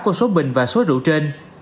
của số bình và số rượu trên